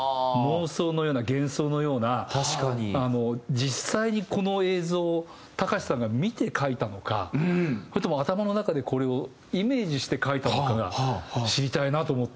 実際にこの映像を隆さんが見て書いたのかそれとも頭の中でこれをイメージして書いたのかが知りたいなと思って。